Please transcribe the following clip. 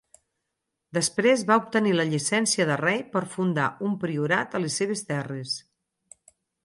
Després va obtenir la llicència de rei per fundar un priorat a les seves terres.